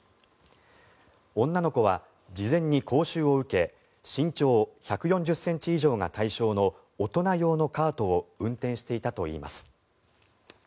女の子は事前に講習を受け身長１４０ｃｍ以上が対象の大人用のカートを運転していたといいます。